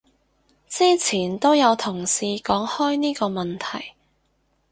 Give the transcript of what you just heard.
之前都有同事講開呢個問題